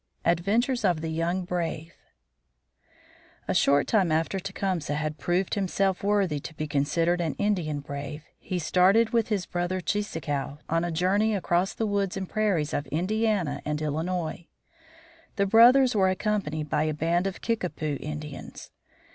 ADVENTURES OF THE YOUNG BRAVE A short time after Tecumseh had proved himself worthy to be considered an Indian brave, he started with his brother Cheeseekau on a journey across the woods and prairies of Indiana and Illinois. The brothers were accompanied by a band of Kickapoo Indians.